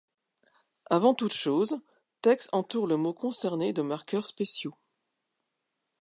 Avant toute chose, TeX entoure le mot concerné de marqueurs spéciaux.